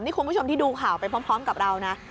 นี่คุณผู้ชมที่ดูข่าวไปพร้อมกับเรานะ